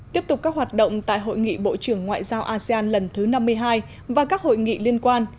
tiếp tục các hoạt động tại hội nghị bộ trưởng ngoại giao asean lần thứ năm mươi hai và các hội nghị liên quan